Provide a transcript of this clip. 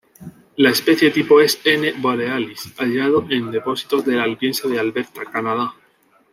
La especie tipo es "N. borealis", hallado en depósitos del Albiense de Alberta, Canadá.